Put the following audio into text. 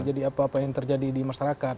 jadi apa apa yang terjadi di masyarakat